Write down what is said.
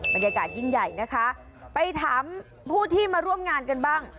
บรรยากาศยิ่งใหญ่นะคะไปถามผู้ที่มาร่วมงานกันบ้าง